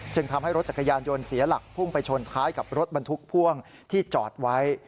ทำให้รถจักรยานยนต์เสียหลักพุ่งไปชนท้ายกับรถบรรทุกพ่วงที่จอดไว้